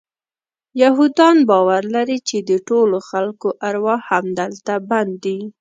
یهودان باور لري چې د ټولو خلکو ارواح همدلته بند دي.